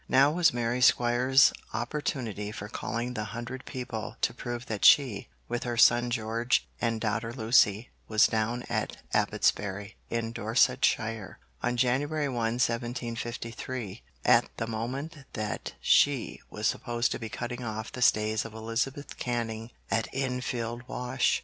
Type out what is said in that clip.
Now was Mary Squires' opportunity for calling the 'hundred people' to prove that she, with her son George and daughter Lucy, was down at Abbotsbury in Dorsetshire, on January 1, 1753, at the moment that she was supposed to be cutting off the stays of Elizabeth Canning at Enfield Wash!